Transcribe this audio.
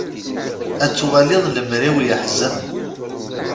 Ad twalid lemri-w yeḥzen.